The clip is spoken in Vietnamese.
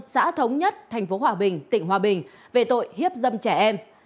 xã thống nhất thành phố hòa bình tỉnh hòa bình về tội hiếp dâm trẻ em